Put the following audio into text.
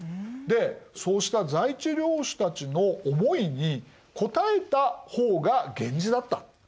でそうした在地領主たちの思いに応えた方が源氏だった。